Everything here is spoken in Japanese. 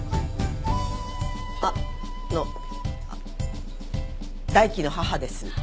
あの大樹の母です。